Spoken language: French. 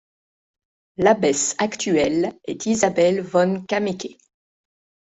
L'abbesse actuelle est Isabell von Kameke.